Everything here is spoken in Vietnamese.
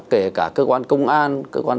kể cả cơ quan công an cơ quan